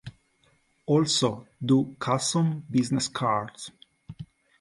Also do custom business cards.